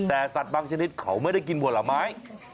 แต่สัตว์บางชนิดเขาไม่ได้กินผลไม้